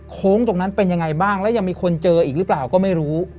โค้งตรงนั้นเป็นยังไงบ้างแล้วยังมีคนเจออีกหรือเปล่าก็ไม่รู้